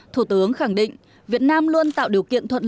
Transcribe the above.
thủ tướng khẳng định việt nam luôn tạo điều kiện thuận lợi